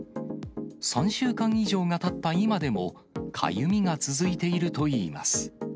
３週間以上がたった今でも、かゆみが続いているといいます。